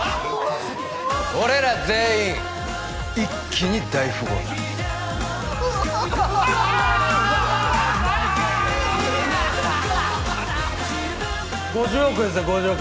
俺ら全員一気に大富豪だ５０億ですよ５０億